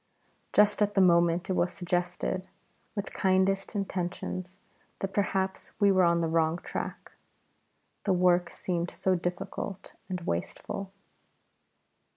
Just at that moment it was suggested, with kindest intentions, that perhaps we were on the wrong track, the work seemed so difficult and wasteful.